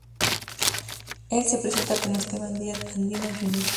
Él se presenta como Esteban Díaz Andino Jr.